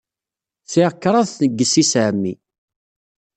Sɛiɣ kraḍt n yessi-s n ɛemmi.